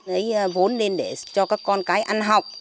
lấy vốn lên để cho các con cái ăn học